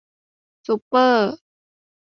ซุปเปอร์